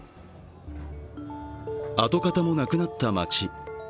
跡形もなくなった街。